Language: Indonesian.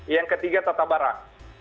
yang ketiga tata barang